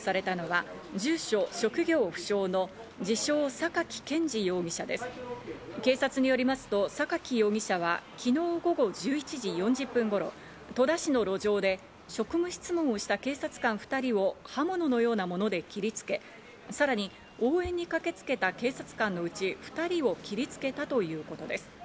警察によりますと、サカキ容疑者は昨日午後１１時４０分頃、戸田市の路上で職務質問をした警察官２人を刃物のようなもので切りつけ、さらに応援に駆けつけた警察官のうち２人を切りつけたということです。